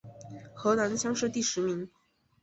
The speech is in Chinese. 河南乡试第十名。